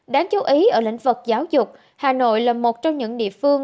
đáng chú ý ở lĩnh vực giáo dục hà nội là một trong những địa phương